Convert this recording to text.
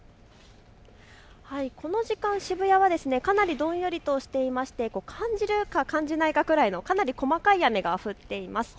この時間、渋谷はかなりどんよりとしていまして、感じるか感じないかぐらいのかなり細かい雨が降っています。